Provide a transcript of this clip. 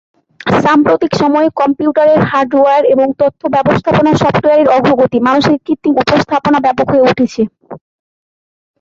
সাম্প্রতিক সময়ে কম্পিউটারের হার্ডওয়্যার এবং তথ্য ব্যবস্থাপনা সফটওয়্যারের অগ্রগতি, মানুষের কৃত্রিম উপস্থাপনা ব্যাপক হয়ে উঠছে।